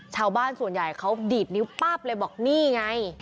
ชาวบ้านส่วนใหญ่เขาดีดนิ้วปั๊บเลยบอกนี่ไง